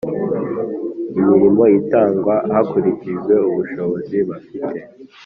imirimo itangwa hakurikijwe ubushobozi bafite.